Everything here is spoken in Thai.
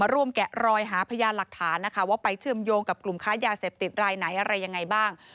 แกะรอยหาพยานหลักฐานนะคะว่าไปเชื่อมโยงกับกลุ่มค้ายาเสพติดรายไหนอะไรยังไงบ้าง